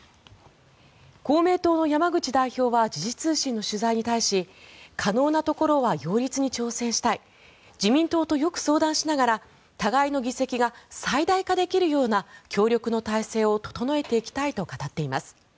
公明党の山口代表は時事通信の取材に対し可能なところは擁立に挑戦したい自民党とよく相談しながら互いの議席が最大化できるような協力の体制を整えていきたいと語っています。